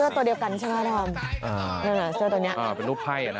เสื้อตัวเดียวกันใช่ไหมทอมเสื้อตัวนี้อ่าเป็นรูปไพ่อ่ะนะ